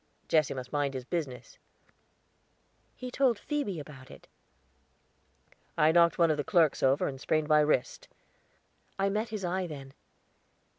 "Jesse must mind his business." "He told Phoebe about it." "I knocked one of the clerks over and sprained my wrist." I met his eye then.